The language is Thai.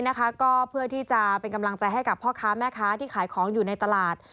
นะคะก็เพื่อที่จะเป็นกำลังใจให้กับพ่อค้าแม่ค้าที่ขายของอยู่ในตลาด